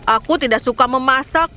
aku tidak suka memasak